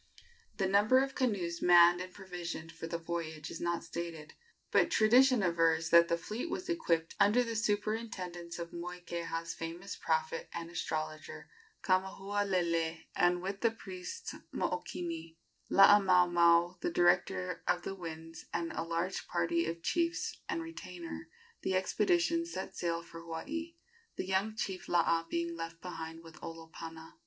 The number of canoes manned and provisioned for the voyage is not stated; but tradition avers that the fleet was equipped under the superintendence of Moikeha's famous prophet and astrologer, Kamahualele; and, with the priest Mookini, Laamaomao, the director of the winds, and a large party of chiefs and retainers, the expedition set sail for Hawaii, the young chief Laa being left behind with Olopana.